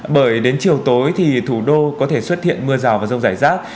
bởi đến chiều tối thì thủ đô có thể xuất hiện mưa rào và rông rải rác